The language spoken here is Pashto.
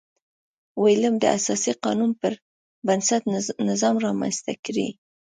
ویلیم د اساسي قانون پربنسټ نظام رامنځته کړي.